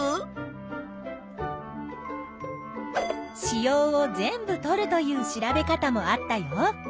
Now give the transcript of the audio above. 子葉を全部とるという調べ方もあったよ。